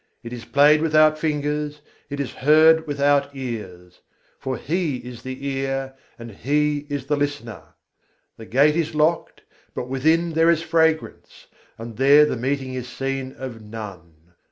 It is played without fingers, it is heard without ears: for He is the ear, and He is the listener. The gate is locked, but within there is fragrance: and there the meeting is seen of none.